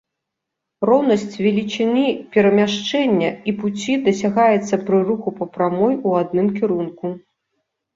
Роўнасць велічыні перамяшчэння і пуці дасягаецца пры руху па прамой у адным кірунку.